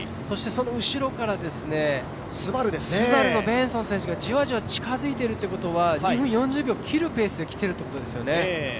後ろからＳＵＢＡＲＵのベンソン選手がじわじわ近づいているということは、２分４０秒を切るペースで来ているということですよね。